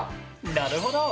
なるほど！